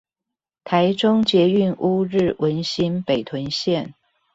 臺中捷運烏日文心北屯線